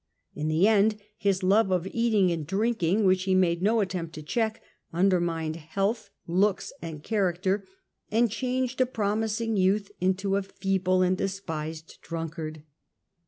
In the end, his love of eating and drinking, which he made no attempt to check, undermined health, looks and character, and changed a promising youth into a feeble and despised drunkard.